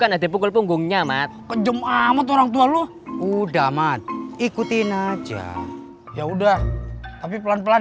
kan ada pukul punggungnya mat kejam amat orang tua lu udah mat ikutin aja ya udah tapi pelan pelan